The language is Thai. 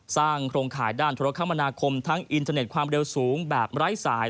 โครงข่ายด้านธุรกรรมนาคมทั้งอินเทอร์เน็ตความเร็วสูงแบบไร้สาย